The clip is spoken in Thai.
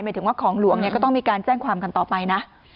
ถึงว่าของหลวงเนี่ยก็ต้องมีการแจ้งความกันต่อไปนะ